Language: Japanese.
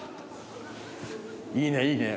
いいねいいね。